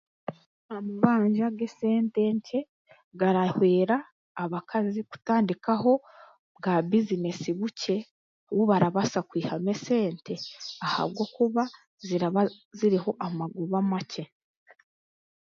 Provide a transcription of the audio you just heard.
Amabanja g'esente nkye garahwera abakazi kutandikaho bwa bizineesi bukye obu barabaasa kwihamu esente ahabwokuba ziraba ziriho amagoba makye